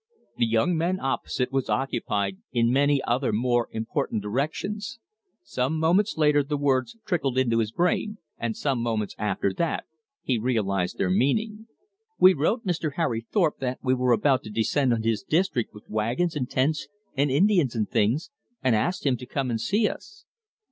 The young man opposite was occupied in many other more important directions. Some moments later the words trickled into his brain, and some moments after that he realized their meaning. "We wrote Mr. Harry Thorpe that we were about to descend on his district with wagons and tents and Indians and things, and asked him to come and see us."